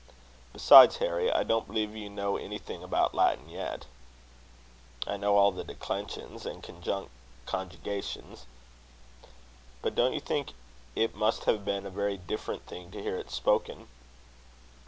Besides, Harry, I don't believe you know anything about Latin yet." "I know all the declensions and conjugations." "But don't you think it must have been a very different thing to hear it spoken?"